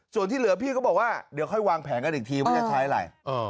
ส่วนที่เหลือพี่ก็บอกว่าเดี๋ยวค่อยวางแผนกันอีกทีว่าจะใช้อะไร